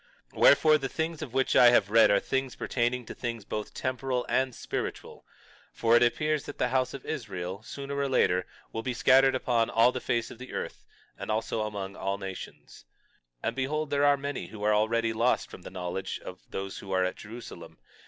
22:3 Wherefore, the things of which I have read are things pertaining to things both temporal and spiritual; for it appears that the house of Israel, sooner or later, will be scattered upon all the face of the earth, and also among all nations. 22:4 And behold, there are many who are already lost from the knowledge of those who are at Jerusalem.